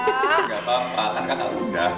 gak apa apa kan kakak udah